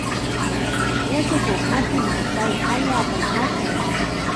Yachakuqmasinta pay allaapam ashan.